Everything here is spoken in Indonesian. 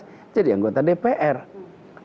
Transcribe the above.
seperti apakah kelompok kita